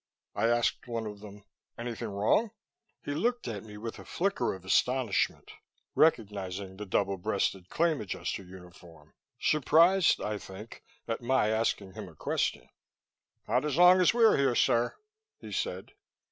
I asked one of them, "Anything wrong?" He looked at me with a flicker of astonishment, recognizing the double breasted Claim Adjuster uniform, surprised, I think, at my asking him a question. "Not as long as we're here, sir," he said.